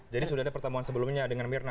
jadi sudah ada pertemuan sebelumnya dengan mirna